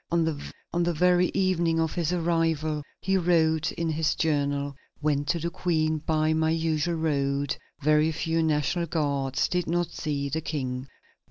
On the very evening of his arrival he wrote in his journal: "Went to the Queen by my usual road; very few National Guards; did not see the King."